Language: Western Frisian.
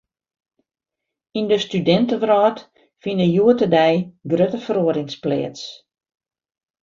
Yn de studintewrâld fine hjoed-de-dei grutte feroarings pleats.